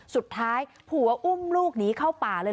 สุดท้ายผัวอุ้มลูกหนีเข้าป่าเลย